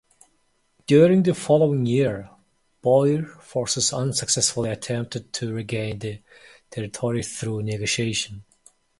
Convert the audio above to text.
During the following year, Boer forces unsuccessfully attempted to regain the territory through negotiation.